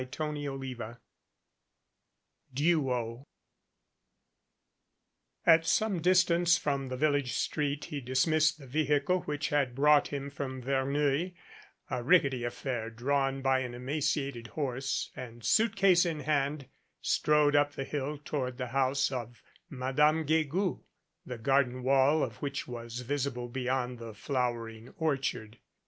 CHAPTER XXIX DUO AT some distance from the village street he dismissed the vehicle which had brought him from Verneuil, a rickety affair drawn by an emaciated horse, and suitcase in hand strode up the hill toward the house of Madame Guegou, the garden wall of which was visible be yond the flowering orchard.